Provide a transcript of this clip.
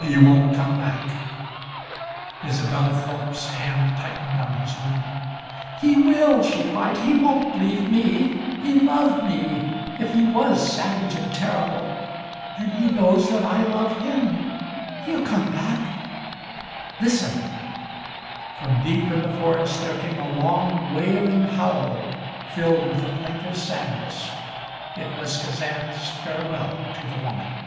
He won't come back." Isobel Thorpe's hand tightened on his arm. "He will!" she cried. "He won't leave me. He loved me, if he was savage and terrible. And he knows that I love him. He'll come back " "Listen!" From deep in the forest there came a long wailing howl, filled with a plaintive sadness. It was Kazan's farewell to the woman.